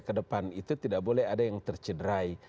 kedepan itu tidak boleh ada yang tercederai